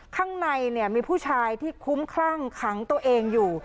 ข้างในมีผู้ชายที่คุ้มคลั่งขังตัวเองอยู่